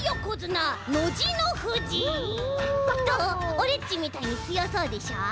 オレっちみたいにつよそうでしょ？